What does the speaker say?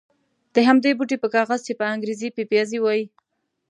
د همدې بوټي په کاغذ چې په انګرېزي پپیازي وایي.